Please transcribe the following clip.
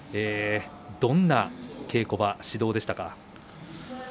どんな稽古場、指導でしたか。